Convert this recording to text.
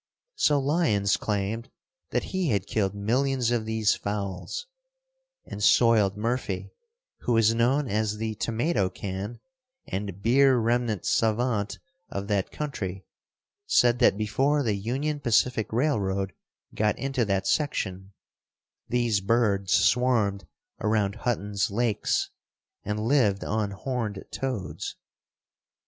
So Lyons claimed that he had killed millions of these fowls, and Soiled Murphy, who was known as the tomato can and beer remnant savant of that country, said that before the Union Pacific Railroad got into that section, these birds swarmed around Hutton's lakes and lived on horned toads.